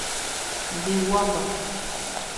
Ndeguápa.